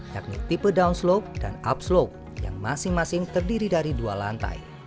yakni tipe downslope dan upslope yang masing masing terdiri dari dua lantai